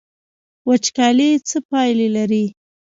وچکالي څه پایلې لري؟